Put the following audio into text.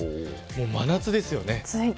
もう真夏ですよね。